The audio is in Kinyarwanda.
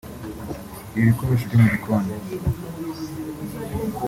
ibikoresho byo mu gikoni